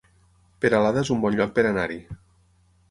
Peralada es un bon lloc per anar-hi